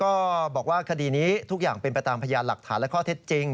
ก็บอกว่าคดีนี้ทุกอย่างเป็นไปตามพยานหลักฐานและข้อเท็จจริง